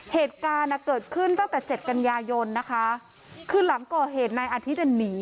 เหตุการณ์อ่ะเกิดขึ้นตั้งแต่เจ็ดกันยายนนะคะคือหลังก่อเหตุนายอาทิตย์หนี